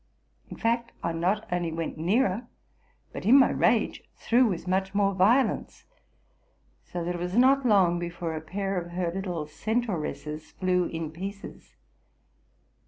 In fact, I not only went nearer, but in my rage threw with much more violence ; so that it was not long before a pair of her little centauresses flew in pieces.